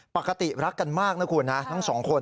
ปกติรักกันมากนะคุณนะทั้งสองคน